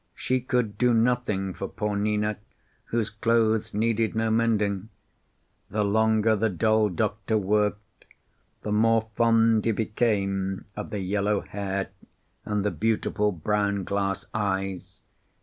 She could do nothing for poor Nina, whose clothes needed no mending. The longer the doll doctor worked, the more fond he became of the yellow hair and the beautiful brown glass eyes.